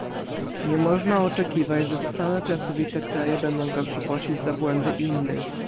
Nie można oczekiwać, że te same pracowite kraje będą zawsze płacić za błędy innych